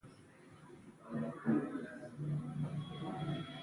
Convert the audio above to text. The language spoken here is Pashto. د کرهڼې سکتور پرمختیايي هېوادونو کې غالب دی.